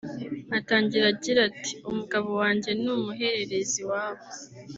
Atangira agira ati “Umugabo wanjye ni umuhererezi iwabo